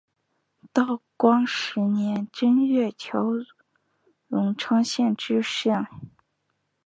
道光十年正月调荣昌县知县。